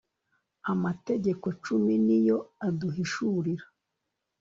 amategeko cumi niyo aduhishurira